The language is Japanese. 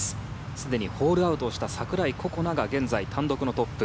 すでにホールアウトした櫻井心那が現在、単独のトップ。